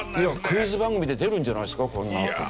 クイズ番組で出るんじゃないですか？